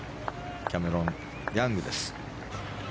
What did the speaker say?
キャメロン・ヤングです。